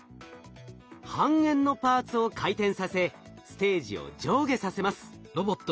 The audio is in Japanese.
半円のパーツを回転させステージを上下させます。